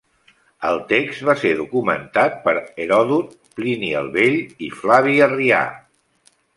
El text va ser documentat per Heròdot, Plini el vell i Flavi Arrià.